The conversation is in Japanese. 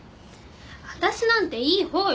私なんていいほうよ